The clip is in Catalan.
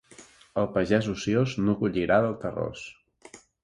El pagès ociós no collirà del terrós.